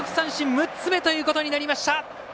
６つ目ということになりました。